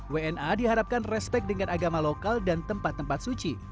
wna diharapkan respect dengan agama lokal dan tempat tempat suci